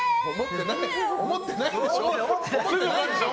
思ってないでしょうよ。